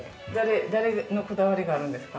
誰のこだわりがあるんですか？